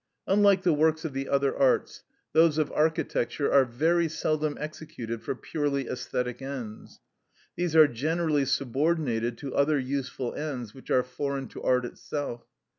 Unlike the works of the other arts, those of architecture are very seldom executed for purely æsthetic ends. These are generally subordinated to other useful ends which are foreign to art itself.